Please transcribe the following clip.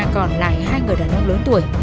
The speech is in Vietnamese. còn lại hai người đàn ông lớn tuổi